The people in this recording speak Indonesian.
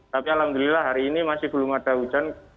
tapi alhamdulillah hari ini masih belum ada hujan